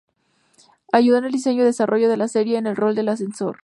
Ayudó en el diseño y desarrollo de la serie en el rol de asesor.